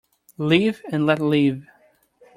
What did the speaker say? Live and let live.